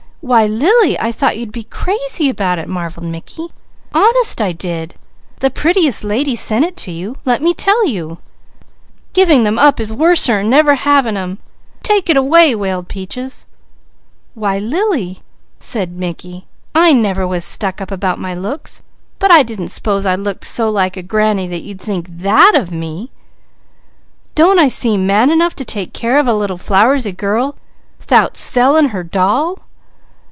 "Why Lily! I thought you'd be crazy about it," marvelled Mickey. "Honest I did! The prettiest lady sent it to you. Let me tell you!" "Giving them up is worser 'an never having them. Take it away!" wailed Peaches. "Well Lily!" said Mickey. "I never was stuck up about my looks, but I didn't s'pose I looked so like a granny that you'd think that of me. Don't I seem man enough to take care of a little flowersy girl 'thout selling her doll?